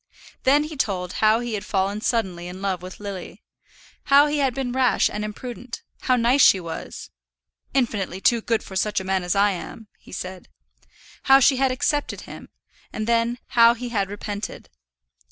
Then he told how he had fallen suddenly in love with Lily, how he had been rash and imprudent, how nice she was "infinitely too good for such a man as I am," he said; how she had accepted him, and then how he had repented.